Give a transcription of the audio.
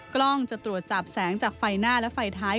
กล้องจะตรวจจับแสงจากไฟหน้าและไฟท้าย